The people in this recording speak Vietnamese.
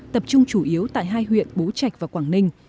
tập trung chủ yếu tại hai huyện bố trạch và quảng ninh